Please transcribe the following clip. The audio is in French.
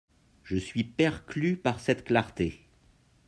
Je suis perclus par cette clarté.